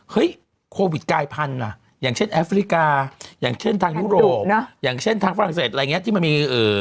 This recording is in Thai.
เฮ้ยโควิดไกรภัณฑ์อะอย่างเช่นแอฟริกาอย่างเช่นทางยุโรปอย่างเช่นทางฝรั่งเศสอะไรอย่างนี้